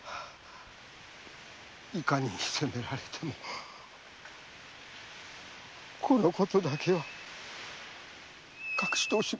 いかに責められてもこのことだけは隠しとおしました。